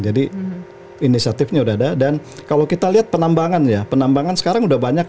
jadi inisiatifnya sudah ada dan kalau kita lihat penambangan ya penambangan sekarang sudah banyak